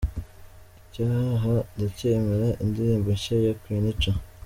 Icyaha Ndacyemera, indirimbo nshya ya Queen Cha:.